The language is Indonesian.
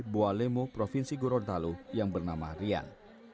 bua lemo provinsi gorontalo yang bernama rian